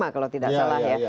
kalau tidak salah ya